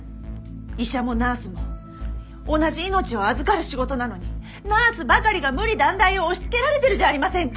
医者もナースも同じ命を預かる仕事なのにナースばかりが無理難題を押しつけられてるじゃありませんか！